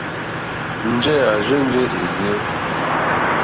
Njɛ̂ à rzênjé èèyé.